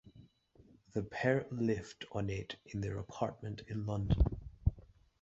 The pair lived on it in their apartment in London.